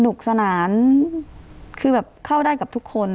สนานคือแบบเข้าได้กับทุกคน